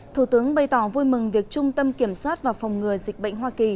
thủ tướng bày tỏ vui mừng việc trung tâm kiểm soát và phòng ngừa dịch bệnh hoa kỳ